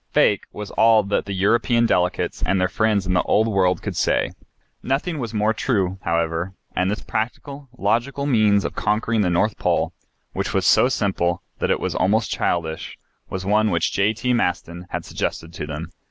"Fake," was all that the European delegates and their friends in the Old World could say. Nothing was more true, however, and this practical, logical means of conquering the North Pole, which was so simple that it was almost childish, was one which J.T. Maston had suggested to them.